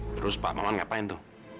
terus pak maman ngapain tuh